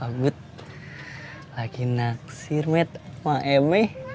agut lagi naksir med sama emme